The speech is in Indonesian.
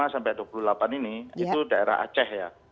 lima sampai dua puluh delapan ini itu daerah aceh ya